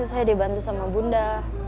saya dibantu sama bunda